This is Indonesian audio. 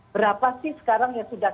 berapa sih sekarang yang sudah